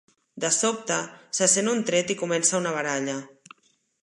De sobte, se sent un tret i comença una baralla.